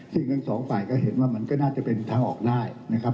ซึ่งทั้งสองฝ่ายก็เห็นว่ามันก็น่าจะเป็นทางออกได้นะครับ